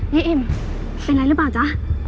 เอ็มเป็นไรหรือเปล่าจ๊ะ